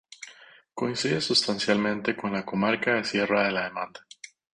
Coincide sustancialmente con la comarca de Sierra de la Demanda.